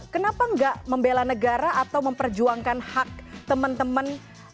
kenapa enggak membela negara atau memperjuangkan hak teman teman